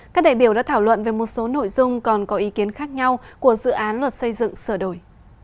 các đại biểu đã thảo luận về một số nội dung còn có ý kiến khác nhau của dự án luật xây dựng sửa đổi